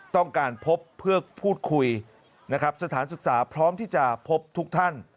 ต้องการพบเพื่อพูดคุยนะครับสถานศึกษาพร้อมที่จะพบทุกท่าน